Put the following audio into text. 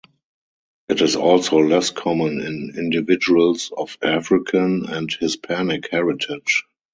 It is also less common in individuals of African, and Hispanic heritage.